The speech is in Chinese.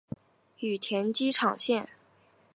羽田机场线